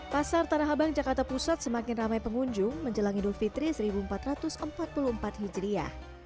pasar tanah abang jakarta pusat semakin ramai pengunjung menjelang idul fitri seribu empat ratus empat puluh empat hijriah